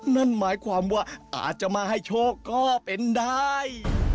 นั่นหมายความว่าอาจจะมาให้โชคก็เป็นได้